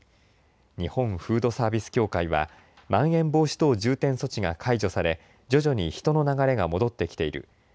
日本フードサービス協会は、まん延防止等重点措置が解除され、徐々に人の流れが戻ってきている。